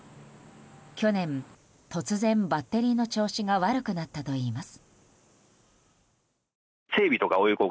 去年、突然バッテリーの調子が悪くなったといいます。